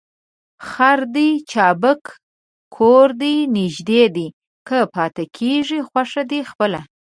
خر دي چابک کور دي نژدې دى ، که پاته کېږې خوښه دي خپله.